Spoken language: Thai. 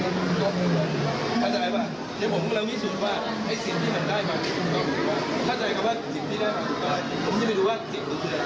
ข้าใจป่ะเดี๋ยวผมกำลังวิสูจน์ว่าไอ้สิทธิ์ที่มันได้ความสิทธิ์ความสิทธิ์